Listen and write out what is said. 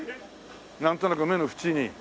なんとなく目のふちに。